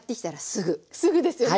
すぐですよね。